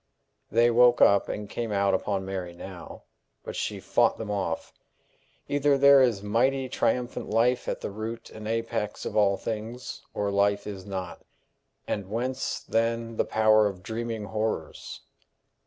They woke up and came out upon Mary now, but she fought them off. Either there is mighty, triumphant life at the root and apex of all things, or life is not and whence, then, the power of dreaming horrors?